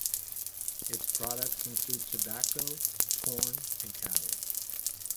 Its products include tobacco, corn and cattle.